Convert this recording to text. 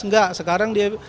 enggak sekarang dia